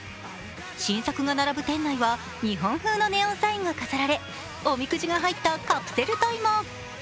新作が並ぶ店内は日本風のネオンサインが飾られおみくじが入ったカプセルトイも。